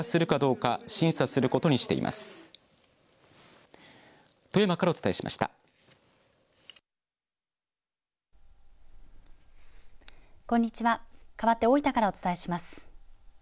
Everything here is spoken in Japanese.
かわって大分からお伝えします。